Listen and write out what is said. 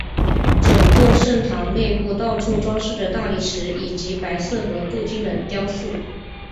整座圣堂内部到处装饰着大理石以及白色和镀金的雕塑。